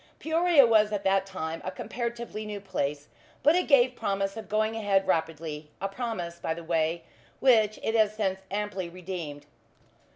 Peoria was at that time a comparatively new place, but it gave promise of going ahead rapidly; a promise, by the way, which it has since amply redeemed.